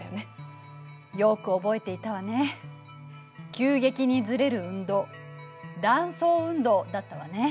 急激にずれる運動「断層運動」だったわね。